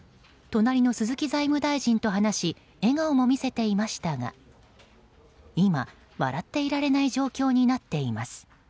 隣の鈴木財務大臣と話し笑顔も見せていましたが今、笑っていられない状況になっています。